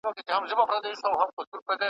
پکښي ګرځېدې لښکري د آسونو ,